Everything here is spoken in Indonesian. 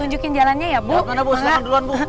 tujukin jalannya ya ibu